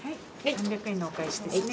３００円のお返しですね。